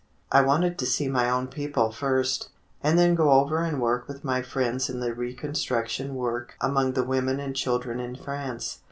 I wanted to see my own people first, and then go over and work with my friends in the reconstruction work among the women and children in France.